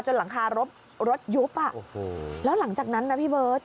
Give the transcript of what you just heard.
หลังคารถรถยุบอ่ะโอ้โหแล้วหลังจากนั้นนะพี่เบิร์ต